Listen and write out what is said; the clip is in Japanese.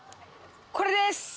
これです！